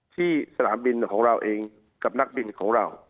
ที่สนามบินของเราเองกับนักบินของเรา